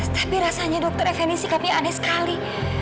tapi rasanya dokter effendi sikapnya aneh sekali